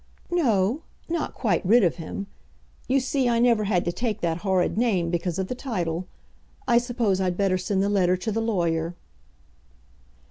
"No; not quite rid of him. You see I never had to take that horrid name because of the title. I suppose I'd better send the letter to the lawyer."